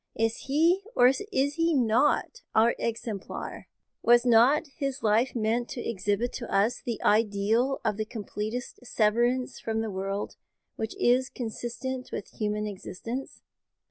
Is He, or is He not, our exemplar? Was not His life meant to exhibit to us the ideal of the completest severance from the world which is consistent with human existence?